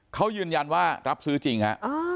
เขายืนยันว่ารับซื้อจริงฮะ